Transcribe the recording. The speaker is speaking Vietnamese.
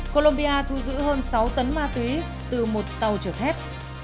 colombia thu giữ hơn sáu tấn ma túy từ một tàu trượt hét